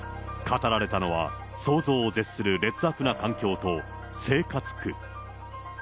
語られたのは、想像を絶する劣悪な環境と生活苦。